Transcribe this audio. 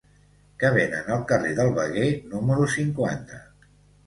Què venen al carrer del Veguer número cinquanta?